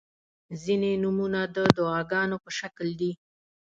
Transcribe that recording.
• ځینې نومونه د دعاګانو په شکل دي.